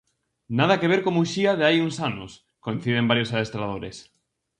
"Nada que ver co Muxía de hai uns anos", coinciden varios adestradores.